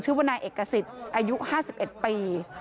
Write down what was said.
ชื่อว่านายเอกสิตอายุ๕๑ปี